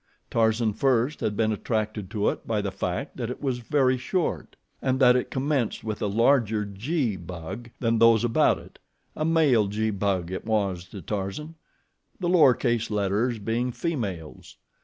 Tarzan first had been attracted to it by the fact that it was very short and that it commenced with a larger g bug than those about it a male g bug it was to Tarzan, the lower case letters being females.